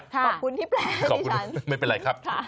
ค่ะขอบคุณที่แปลให้ดิฉันไม่เป็นไรครับ